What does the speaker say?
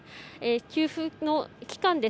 給付の期間